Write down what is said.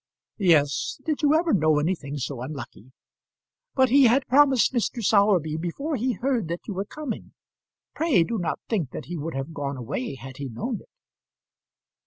"Yes. Did you ever know anything so unlucky? But he had promised Mr. Sowerby before he heard that you were coming. Pray do not think that he would have gone away had he known it."